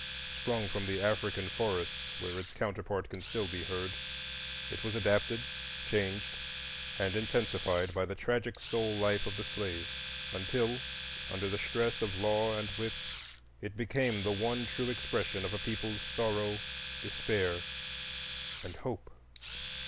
Sprung from the African forests, where its counterpart can still be heard, it was adapted, changed, and intensified by the tragic soul life of the slave, until, under the stress of law and whip, it became the one true expression of a people's sorrow, despair, and hope.